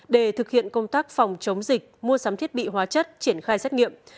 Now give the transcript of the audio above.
để thực hiện công tác phòng chống dịch mua sắm thiết bị hóa chất triển khai xét nghiệm